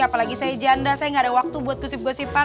apalagi saya janda saya gak ada waktu buat gosip gosippan